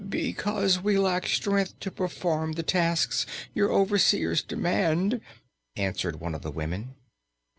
"Because we lack strength to perform the tasks your overseers demand," answered one of the women.